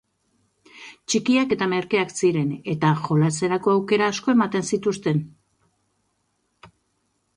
Txikiak eta merkeak ziren eta jolaserako aukera asko ematen zituzten.